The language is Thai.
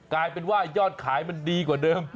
กลายเป็นว่ายอดขายมันดีกว่าเดิม